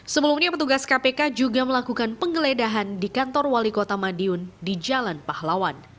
sebelumnya petugas kpk juga melakukan penggeledahan di kantor wali kota madiun di jalan pahlawan